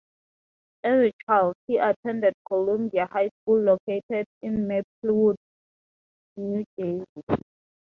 As a child, he attended Columbia High School located in Maplewood, New Jersey.